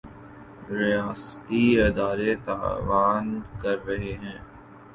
ریاستی ادارے تعاون کر رہے ہیں۔